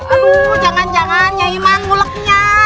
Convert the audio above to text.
aduh jangan jangan nyai mah nguleknya